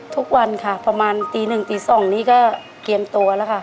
ทุกวันค่ะประมาณตีหนึ่งตี๒นี้ก็เตรียมตัวแล้วค่ะ